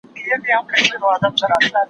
هغه څوک چي جواب ورکوي پوهه زياتوي